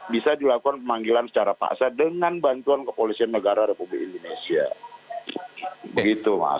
bisa dilakukan pemanggilan secara paksa dengan bantuan kepolisian negara republik indonesia begitu mas